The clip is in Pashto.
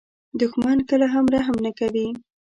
دښمن کله هم رحم نه کوي